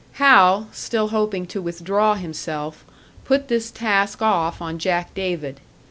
Hal, still hoping to withdraw himself, put this task off on Jack David.